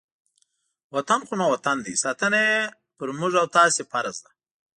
وطن خو نو وطن دی، ساتنه یې په موږ او تاسې فرض ده.